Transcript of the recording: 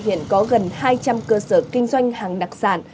hiện có gần hai trăm linh cơ sở kinh doanh hàng đặc sản